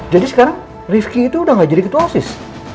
jadi sekarang rifki itu udah gak jadi ketua osis